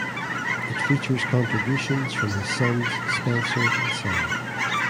It features contributions from his sons Spencer and Sam.